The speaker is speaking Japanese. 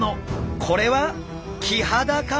これはキハダか！？